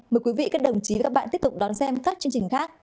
mời quý vị các đồng chí và các bạn tiếp tục đón xem các chương trình khác trên antv